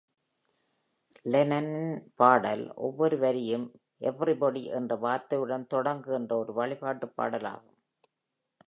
Lennon -இன் பாடல், ஒவ்வொரு வரியும் "everybody" என்ற வார்த்தையுடன் தொடங்குகின்ற ஒரு வழிபாட்டு பாடலாகும்.